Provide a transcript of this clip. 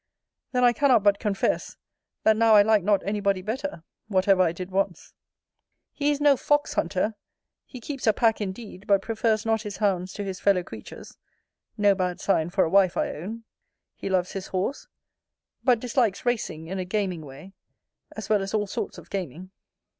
Then I cannot but confess, that now I like not anybody better, whatever I did once. He is no fox hunter: he keeps a pack indeed; but prefers not his hounds to his fellow creatures. No bad sign for a wife, I own. He loves his horse; but dislikes racing in a gaming way, as well as all sorts of gaming.